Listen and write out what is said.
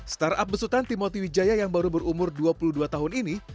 startup besutan timoti wijaya yang baru berumur dua puluh dua tahun ini